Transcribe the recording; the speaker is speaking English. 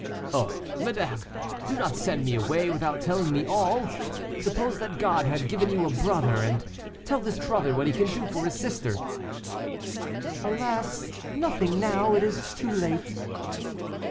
"Oh! madame, do not send me away without telling me all. Suppose that God had given you a brother, and tell this brother what he can do for his sister." "Alas! nothing now; it is too late."